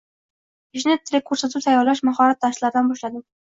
Ishni teleko‘rsatuv tayyorlash mahorat darslaridan boshladim.